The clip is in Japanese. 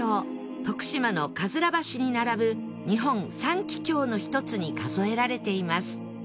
徳島のかずら橋に並ぶ日本三奇橋の一つに数えられています